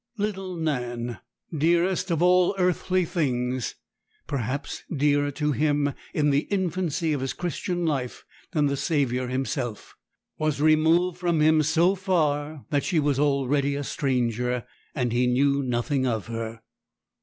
Little Nan, dearest of all earthly things, perhaps dearer to him in the infancy of his Christian life than the Saviour Himself, was removed from him so far that she was already a stranger, and he knew nothing of her.